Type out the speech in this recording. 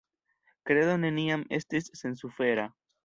Kredo neniam estis sensufera.